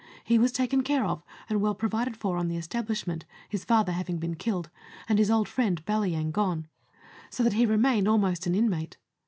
He was taken care of, and well provided for on the establishment, his father having been killed, and his old friend Balyang gone, so that he remained almost an inmate.